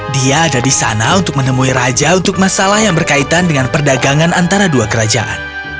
dia ada di sana untuk menemui raja untuk masalah yang berkaitan dengan perdagangan antara dua kerajaan